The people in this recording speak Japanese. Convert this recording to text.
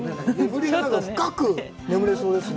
深く眠れそうですね。